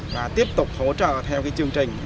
và tiếp tục hỗ trợ theo chương trình